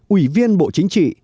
ủy viên bộ chính trị